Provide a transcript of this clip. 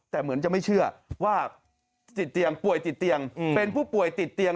แต่เหมือนจะไม่เชื่อว่าติดเตียงป่วยติดเตียงเป็นผู้ป่วยติดเตียง